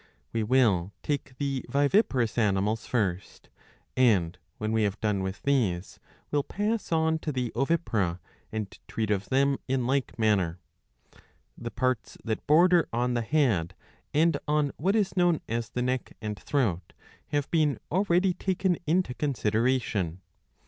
We will take the^ viviparous animals first, and, when we have done with these, will pass on to the ovipara, and treat of them in like manner. The parts that border on the head, and on what is known as the neck and throat, have been already taken into consideration.